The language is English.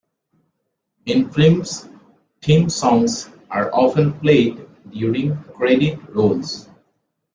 In films, theme songs are often played during credit rolls.